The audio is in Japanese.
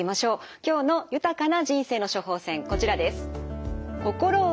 今日の豊かな人生の処方せんこちらです。